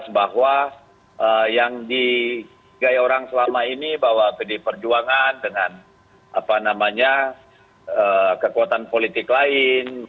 semakin jelas bahwa yang dikaya orang selama ini bahwa diperjuangan dengan kekuatan politik lain